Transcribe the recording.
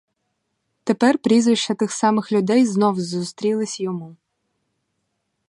Тепер прізвища тих самих людей знов зустрілись йому.